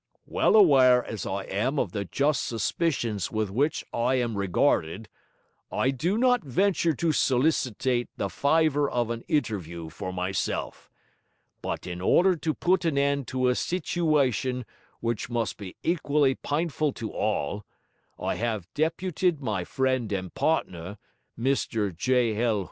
Well awyre as I am of the just suspicions with w'ich I am regarded, I do not venture to solicit the fyvour of an interview for myself, but in order to put an end to a situytion w'ich must be equally pyneful to all, I 'ave deputed my friend and partner, Mr J. L.